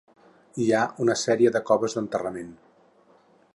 Hi ha una sèrie de coves d'enterrament.